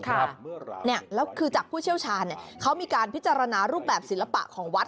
แล้วคือจากผู้เชี่ยวชาญเขามีการพิจารณารูปแบบศิลปะของวัด